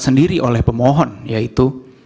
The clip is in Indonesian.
sendiri oleh pemohon yaitu